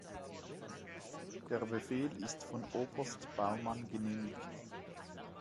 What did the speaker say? Der Befehl ist von Oberst Baumann genehmigt.